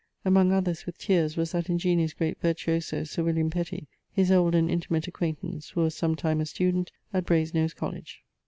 Among others, with teares, was that ingeniose great virtuoso, Sir William Petty, his old and intimate acquaintance, who was sometime a student at Brase nose College.